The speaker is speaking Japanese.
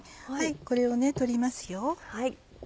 これを取りますよ。